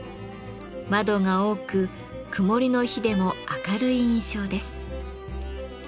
窓が多く曇りの日でも明るい印象です。